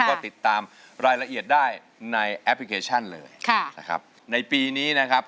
ก็ติดตามรายละเอียดได้ในแอปพลิเคชันเลยค่ะนะครับในปีนี้นะครับ